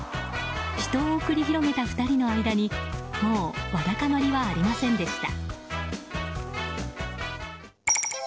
死闘を繰り広げた２人の間にもうわだかまりはありませんでした。